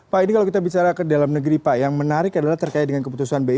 pak ini kalau kita bicara ke dalam negeri pak yang menarik adalah terkait dengan keputusan bi